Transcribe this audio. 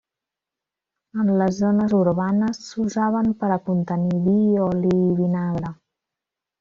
En les zones urbanes s’usaven per a contenir vi, oli o vinagre.